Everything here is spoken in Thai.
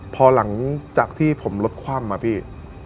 พอหลังจากที่ผมรถคว่ำอะพี่